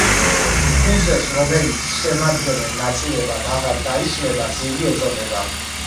ფუძეს, რომელიც შემადგენელ ნაწილებად აღარ დაიშლება, ძირი ეწოდება.